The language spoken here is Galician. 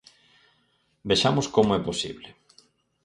Vexamos como é posible.